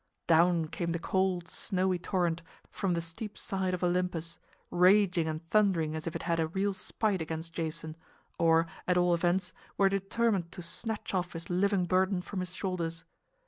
Down came the cold, snowy torrent from the steep side of Olympus, raging and thundering as if it had a real spite against Jason or, at all events, were determined to snatch off his living burden from his shoulders.